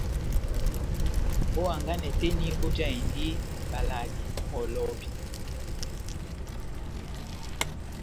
Ó hanganɛ tɛ́h eni vojahindi mʼbladi muholovi.